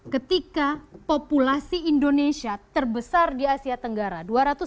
ketika populasi indonesia terbesar di asia tenggara